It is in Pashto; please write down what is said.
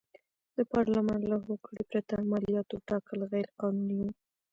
د پارلمان له هوکړې پرته مالیاتو ټاکل غیر قانوني و.